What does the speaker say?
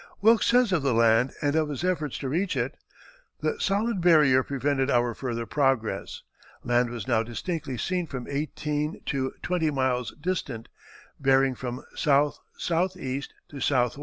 Wilkes says of the land and of his efforts to reach it: "The solid barrier prevented our further progress. Land was now distinctly seen from eighteen to twenty miles distant, bearing from S.S.E. to S.W.